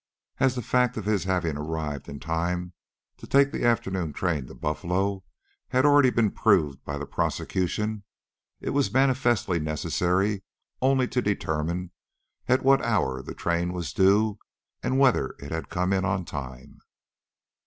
As the fact of his having arrived in time to take the afternoon train to Buffalo had been already proved by the prosecution, it was manifestly necessary only to determine at what hour the train was due, and whether it had come in on time.